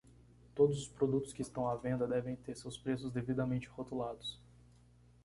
Todos os produtos que estão à venda devem ter seus preços devidamente rotulados.